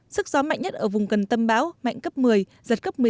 sức gió mạnh nhất ở vùng gần tâm bão mạnh cấp một mươi giật cấp một mươi một một mươi hai